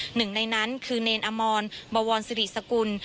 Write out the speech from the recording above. หนึ่งในนั้นคือเนรอมรบวรสิริสกุล